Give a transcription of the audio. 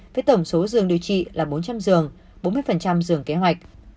với tổng số dường điều trị là bốn trăm linh dường bốn mươi dường kế hoạch